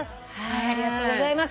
ありがとうございます。